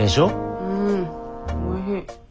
うんおいしい。